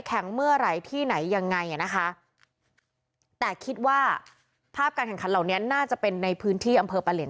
เมื่อไหร่ที่ไหนยังไงอ่ะนะคะแต่คิดว่าภาพการแข่งขันเหล่านี้น่าจะเป็นในพื้นที่อำเภอปะเหลียน